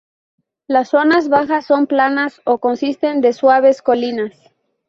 Las zonas bajas son planas o consisten de suaves colinas.